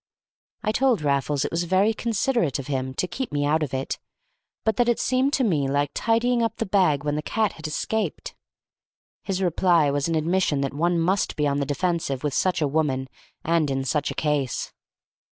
I told Raffles it was very considerate of him to keep me out of it, but that it seemed to me like tying up the bag when the cat had escaped. His reply was an admission that one must be on the defensive with such a woman and in such a case.